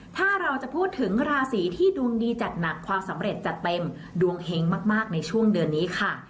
ถ้าเราจะพูดถึงราศีที่ดวงดีจัดหนักความสำเร็จจัดเต็มดวงเฮงมากในช่วงเดือนนี้ค่ะ